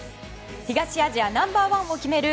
東アジアナンバー１を決める